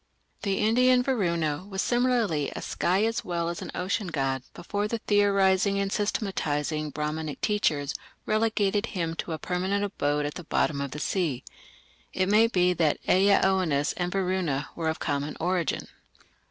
The Indian Varuna was similarly a sky as well as an ocean god before the theorizing and systematizing Brahmanic teachers relegated him to a permanent abode at the bottom of the sea. It may be that Ea Oannes and Varuna were of common origin.